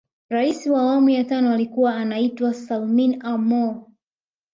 Rais wa awamu ya tano alikuwa anaitwa Salmin Amour